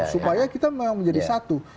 supaya kita memang menjadi satu